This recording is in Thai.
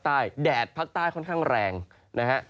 แดดภาคใต้ค่อนข้างแรงนะฮะ